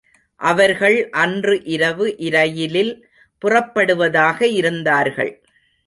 அவர்கள் அன்று இரவு இரயிலில் புறப்படுவதாக இருந்தார்கள்.